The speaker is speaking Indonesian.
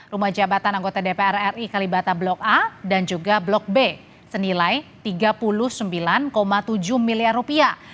rumah jabatan anggota dpr ri kalibata blok a dan juga blok b senilai tiga puluh sembilan tujuh miliar rupiah